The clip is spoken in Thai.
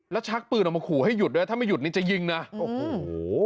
แล้วชักปืนออกมาขู่ให้หยุดด้วยถ้าไม่หยุดนี่จะยิงนะโอ้โห